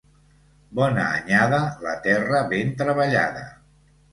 Bona anyada, la terra ben treballada.